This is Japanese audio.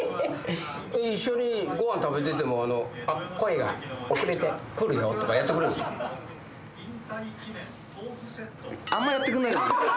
一緒にご飯食べてても「声が遅れてくるよ」とかやってくれんすか？